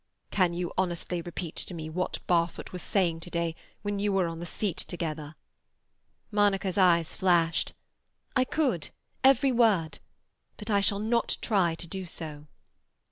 "Can you honestly repeat to me what Barfoot was saying to day, when you were on the seat together?" Monica's eyes flashed. "I could; every word. But I shall not try to do so."